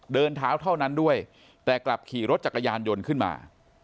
เดินเท้าเท่านั้นด้วยแต่กลับขี่รถจักรยานยนต์ขึ้นมา